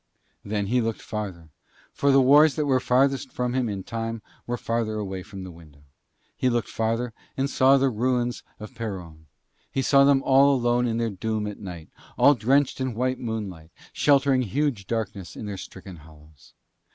Then he looked farther, for the wars that were farthest from him in time were farther away from the window. He looked farther and saw the ruins of Peronne. He saw them all alone with their doom at night, all drenched in white moonlight, sheltering huge darkness in their stricken hollows.